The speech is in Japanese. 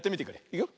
いくよ。